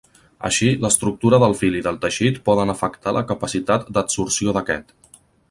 Així, l'estructura del fil i del teixit poden afectar la capacitat d'adsorció d'aquest.